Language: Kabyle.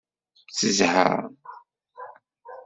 Tezha.